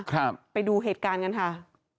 ครับไปดูเหตุการณ์กันค่ะ